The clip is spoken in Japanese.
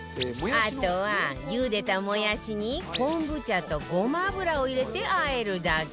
あとは茹でたもやしにこんぶ茶とごま油を入れて和えるだけ